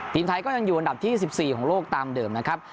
ทีมไทยก็ยังอยู่อันดับที่๑๔ของโลกตามเดิมนะครับ